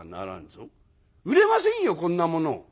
「売れませんよこんなもの」。